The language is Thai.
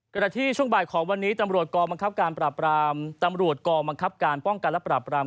กรณะที่ช่วงบ่ายของวันนี้ตำรวจกรมังคับการปราบราม